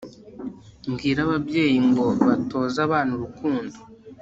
mbwire ababyeyi ngo batoze abana urukundo